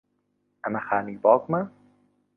ئەمە خانووی باوکمە.